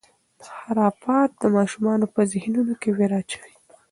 خرافات د ماشومانو په ذهنونو کې وېره اچوي.